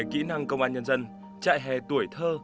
kỹ năng công an nhân dân trại hè tuổi thơ